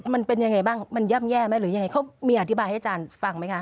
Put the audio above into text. มันเป็นยังไงบ้างมันย่ำแย่ไหมหรือยังไงเขามีอธิบายให้อาจารย์ฟังไหมคะ